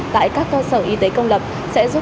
tại các cơ sở y tế công lập sẽ giúp